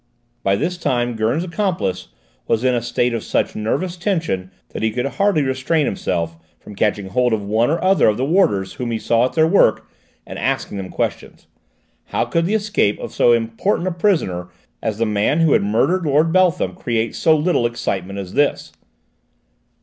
By this time Gurn's accomplice was in a state of such nervous tension that he could hardly restrain himself from catching hold of one or other of the warders whom he saw at their work, and asking them questions. How could the escape of so important a prisoner as the man who had murdered Lord Beltham create so little excitement as this?